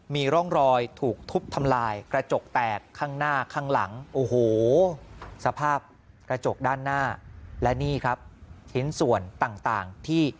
มีร่องรอยถูกทุบทำลายกระจกแตกข้างหน้าข้างหลัง